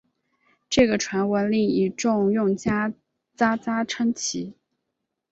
这个传闻令一众用家啧啧称奇！